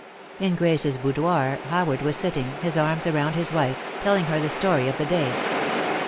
In Grace's boudoir, Howard was sitting, his arms around his wife, telling her the story of the day.